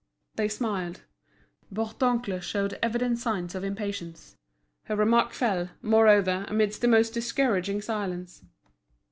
They smiled. Bourdoncle showed evident signs of impatience; her remark fell, moreover, amidst a most discouraging silence.